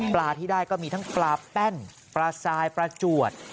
ที่ได้ก็มีทั้งปลาแป้นปลาทรายปลาจวด